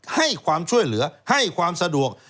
ให้ความช่วยเหลือให้ความสะดวก